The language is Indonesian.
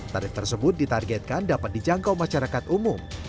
tarif tersebut ditargetkan dapat dijangkau masyarakat umum